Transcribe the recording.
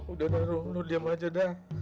udah rum rum diam aja dah